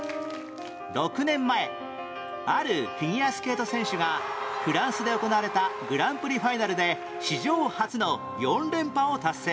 ６年前あるフィギュアスケート選手がフランスで行われたグランプリファイナルで史上初の４連覇を達成